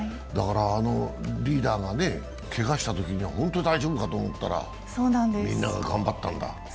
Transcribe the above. リーダーがけがしたときには、本当大丈夫かと思ったら、みんなが頑張ったんだ。